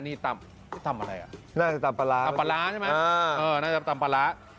นี่ตำอะไรตำปลาร้า